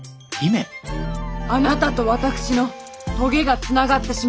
あなたと私の棘がつながってしまいました。